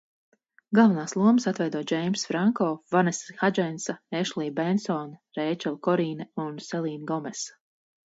Galvenās lomas atveido Džeimss Franko, Vanesa Hadžensa, Ešlija Bensone, Reičela Korīne un Selīna Gomesa.